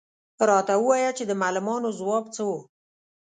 _راته ووايه چې د معلمانو ځواب څه و؟